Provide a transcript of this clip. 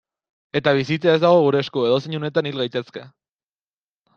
Eta bizitza ez dago gure esku, edozein unetan hil gaitezke.